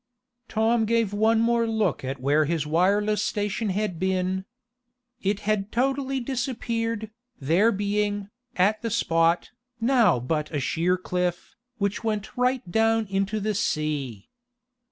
Tom gave one more look at where his wireless station had been. It had totally disappeared, there being, at the spot, now but a sheer cliff, which went right down into the sea.